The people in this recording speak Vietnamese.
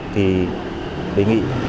thì đề nghị